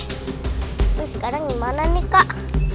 terus sekarang gimana nih kak